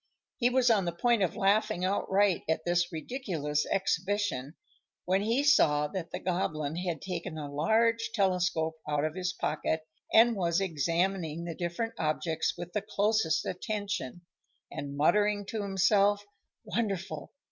He was on the point of laughing outright at this ridiculous exhibition, when he saw that the Goblin had taken a large telescope out of his pocket, and was examining the different objects with the closest attention, and muttering to himself, "Wonderful!